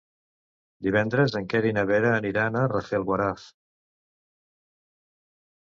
Divendres en Quer i na Vera aniran a Rafelguaraf.